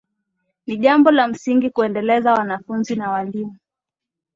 Ni jambo la msingi kuendeleza wanafunzi na walimu